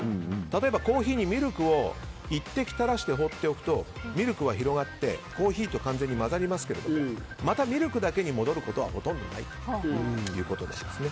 例えばコーヒーにミルクを１滴たらして放っておくとミルクは広がってコーヒーと完全に混ざりますけどまたミルクだけに戻ることはないということです。